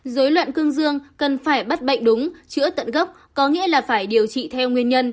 dối loạn cương dương cần phải bắt bệnh đúng chữa tận gốc có nghĩa là phải điều trị theo nguyên nhân